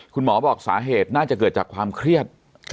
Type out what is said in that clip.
คุณหมอบอกสาเหตุน่าจะเกิดจากความเครียด